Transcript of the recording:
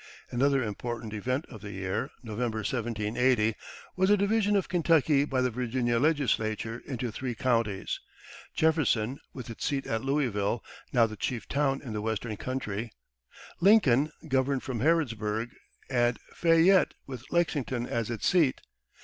Another important event of the year (November, 1780) was the division of Kentucky by the Virginia legislature into three counties Jefferson, with its seat at Louisville, now the chief town in the Western country; Lincoln, governed from Harrodsburg; and Fayette, with Lexington as its seat.